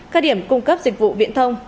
các điểm cung cấp dịch vụ viện thông